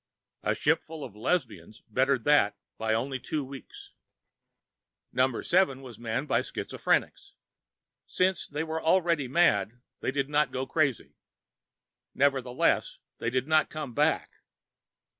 A ship full of lesbians bettered that by only two weeks. Number Seven was manned by schizophrenics. Since they were already mad, they did not go crazy. Nevertheless, they did not come back.